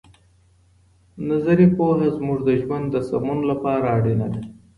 نظري پوهه زموږ د ژوند د سمون لپاره اړینه ده.